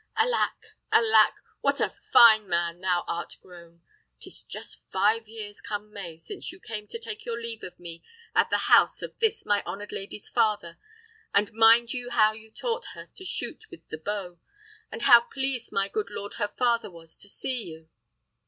Alack! alack! what a fine man thou art grown! 'Tis just five years, come May, since you came to take leave of me at the house of this my honoured lady's father; and mind you how you taught her to shoot with the bow, and how pleased my good lord her father was to see you?"